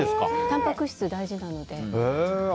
たんぱく質大事なので。